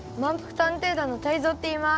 探偵団のタイゾウっていいます。